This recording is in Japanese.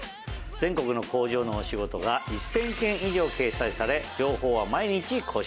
全国の工場のお仕事が１０００件以上掲載され情報は毎日更新。